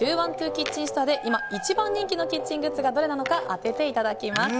キッチンストアで今一番人気のキッチングッズがどれなのか当てていただきます。